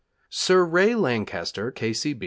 Sir Ray Lancaster, K.